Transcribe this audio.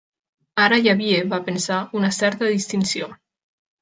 Ara hi havia, va pensar, una certa distinció.